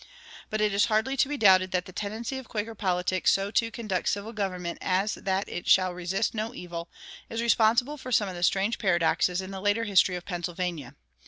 But it is hardly to be doubted that the tendency of Quaker politics so to conduct civil government as that it shall "resist not evil" is responsible for some of the strange paradoxes in the later history of Pennsylvania.